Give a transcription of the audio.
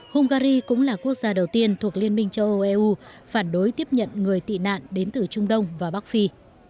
hungary cũng là quốc gia đầu tiên thuộc liên minh châu âu eu phản đối tiếp nhận người tị nạn đến từ trung đông và bắc phi